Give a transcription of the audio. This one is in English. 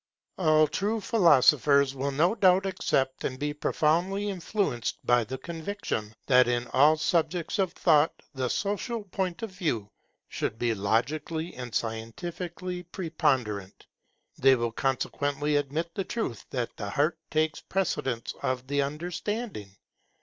All true philosophers will no doubt accept and be profoundly influenced by the conviction, that in all subjects of thought the social point of view should be logically and scientifically preponderant. They will consequently admit the truth that the Heart takes precedence of the Understanding.